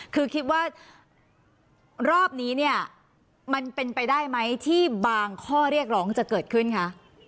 คือคิดว่ารอบนี้เนี่ยมันเป็นไปได้ไหมที่บางข้อเรียกร้องจะเกิดขึ้นคะ